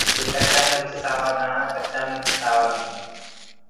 ڪي ڪچآ مرچ سآوآ ڌآڻآ ڪچآ مرچ سوآ ڌآڻآ۔